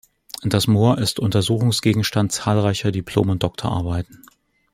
Das Moor ist Untersuchungsgegenstand zahlreicher Diplom- und Doktorarbeiten.